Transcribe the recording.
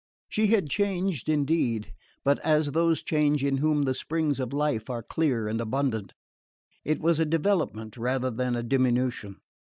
She had changed, indeed, but as those change in whom the springs of life are clear and abundant: it was a development rather than a diminution.